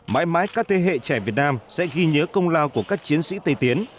mãi mãi các thế hệ trẻ việt nam sẽ ghi nhớ công lao của các chiến sĩ tây tiến